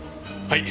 はい！